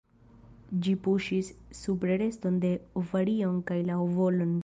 Ĝi puŝis supre reston de ovarion kaj la ovolon.